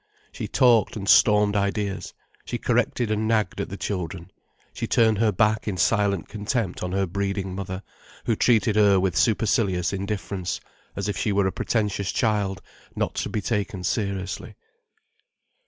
She talked and stormed ideas, she corrected and nagged at the children, she turned her back in silent contempt on her breeding mother, who treated her with supercilious indifference, as if she were a pretentious child not to be taken seriously.